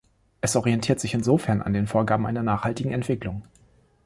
Es orientiert sich insofern an den Vorgaben einer nachhaltigen Entwicklung.